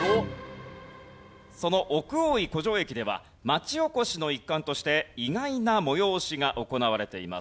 その奥大井湖上駅では町おこしの一環として意外な催しが行われています。